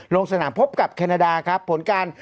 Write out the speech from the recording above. ลงสนามพบกับแคนาดาครับผลการ